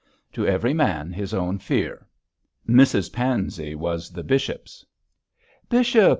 'To every man his own fear.' Mrs Pansey was the bishop's. 'Bishop!'